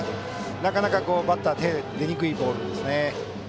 なかなかバッターは手が出にくいボールですね。